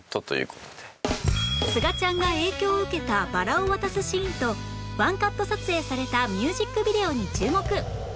すがちゃんが影響を受けたバラを渡すシーンと１カット撮影されたミュージックビデオに注目